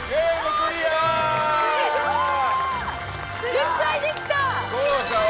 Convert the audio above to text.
１０回できた！